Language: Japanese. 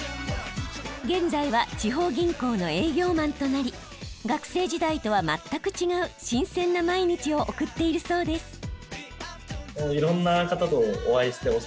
現在は地方銀行の営業マンとなり学生時代とは全く違う新鮮な毎日を送っているそうです。